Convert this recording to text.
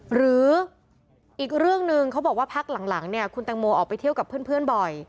หรืออีกเรื่องหนึ่งเขาบอกว่าพักหลังเนี่ยคุณแตงโมออกไปเที่ยวกับเพื่อนบ่อย